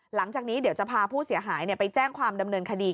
หลังจากนี้เดี๋ยวจะพาผู้เสียหายไปแจ้งความดำเนินคดี